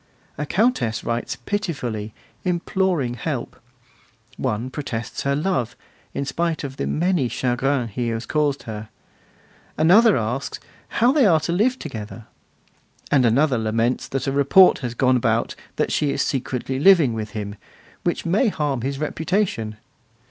A Countess writes pitifully, imploring help; one protests her love, in spite of the 'many chagrins' he has caused her; another asks 'how they are to live together'; another laments that a report has gone about that she is secretly living with him, which may harm his reputation.